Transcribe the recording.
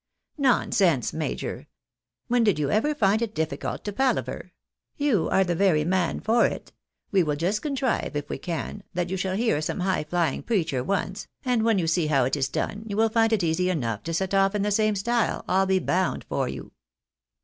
" JSTonsense, major ! When did you ever find it difficult to palaver? You are the very man for it. "We will just contrive, if we can, that you shall hear some high flying preacher once, and when you see how it is done, you will find it easy enough to set off in the same style, I'll be bound for you."